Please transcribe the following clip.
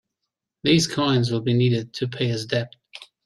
These coins will be needed to pay his debt.